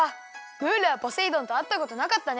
ム―ルはポセイ丼とあったことなかったね！